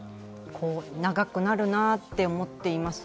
長くなるなって思っています。